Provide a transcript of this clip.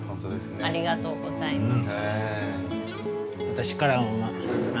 ありがとうございます。